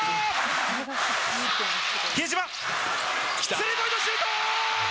比江島、スリーポイントシュート！